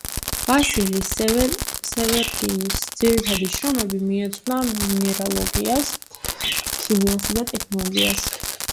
ვასილი სევერგინის ძირითადი შრომები მიეძღვნა მინერალოგიას, ქიმიასა და ტექნოლოგიას.